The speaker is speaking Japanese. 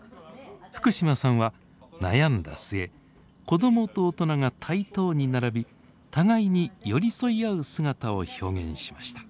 福島さんは悩んだ末子どもと大人が対等に並び互いに寄り添い合う姿を表現しました。